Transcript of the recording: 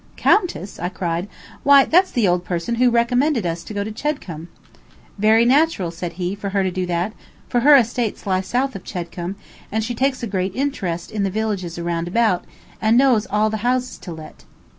"Countess!" I cried. "Why, that's the old person who recommended us to go to Chedcombe." "Very natural," said he, "for her to do that, for her estates lie south of Chedcombe, and she takes a great interest in the villages around about, and knows all the houses to let."